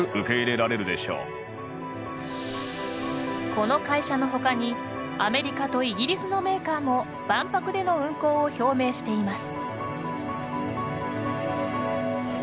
この会社の他にアメリカとイギリスのメーカーも万博での運航を表明しています。